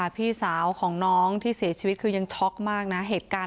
พี่สาวของน้องที่เศรษฐ์ชวิตยังช็อคมากแบบเฉลิมก็เห็น